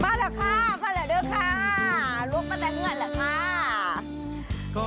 มาแล้วค่ะมาแล้วด้วยค่ะล้วงไปแต่เฮือนแล้วค่ะ